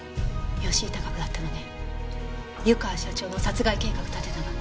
吉井孝子だったのね湯川社長の殺害計画立てたの。